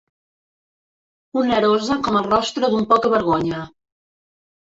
Onerosa com el rostre d'un poca-vergonya.